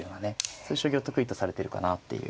そういう将棋を得意とされているかなっていう。